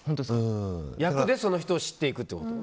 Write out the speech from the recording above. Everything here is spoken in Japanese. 役でその人を知っていくってこと？